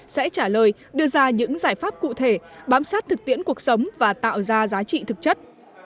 sẽ trả lời đưa ra những giải pháp cụ thể bám sát thực tiễn cuộc sống và tạo ra giá trị thực chất